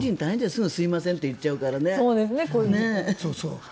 すぐ、すみませんと言っちゃうから。